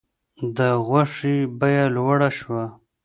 د غوښې بیه لوړه شوه.